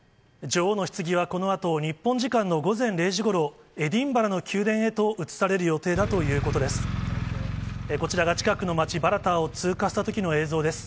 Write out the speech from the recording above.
女王のひつぎはこのあと、日本時間の午前０時ごろ、エディンバラの宮殿へと移される予定だということです。